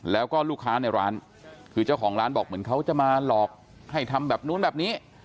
แล้วก็ลูกค้าในร้านคือเจ้าของร้านบอกเหมือนเขาจะมาหลอกให้ทำแบบนู้นแบบนี้